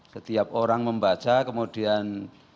setiap orang membaca kemudian